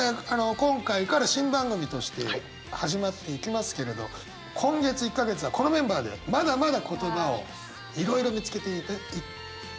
今回から新番組として始まっていきますけれど今月１か月はこのメンバーでまだまだ言葉をいろいろ見つけてい。